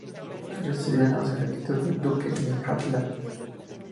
Recibió al nacer el título de duque de Jämtland.